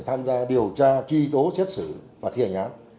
tham gia điều tra truy tố xét xử và thi hành án